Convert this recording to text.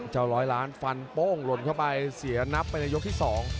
ร้อยล้านฟันโป้งหล่นเข้าไปเสียนับไปในยกที่๒